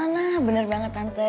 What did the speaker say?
nah bener banget tante